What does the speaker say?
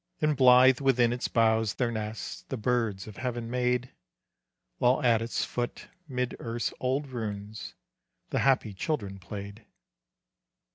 And blithe within its boughs their nests The birds of heaven made, While at its foot mid earth's old ruins, The happy children played.